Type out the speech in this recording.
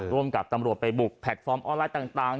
ร่วมกับตำรวจไปบุกแพลตฟอร์มออนไลน์ต่าง